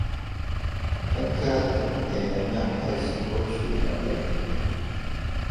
نە کاتم ھەیە نە حەز، بۆ چوونە ئەوێ.